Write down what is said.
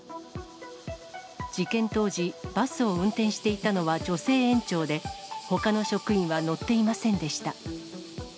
事件当時、バスを運転していたのは女性園長で、ほかの職員は乗っていませんでした。